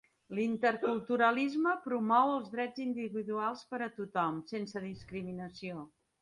L'interculturalisme promou els drets individuals per a tothom, sense discriminació.